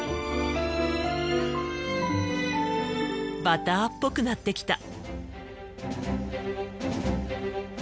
バターっぽくなってきた。